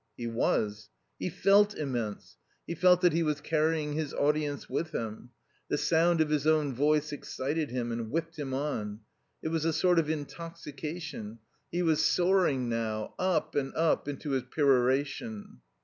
He was. He felt immense. He felt that he was carrying his audience with him. The sound of his own voice excited him and whipped him on. It was a sort of intoxication. He was soaring now, up and up, into his peroration.